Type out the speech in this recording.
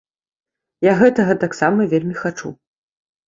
Я гэтага таксама вельмі хачу.